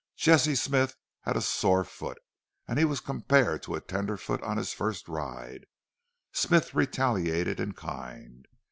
Jesse Smith had a sore foot and he was compared to a tenderfoot on his first ride. Smith retaliated in kind.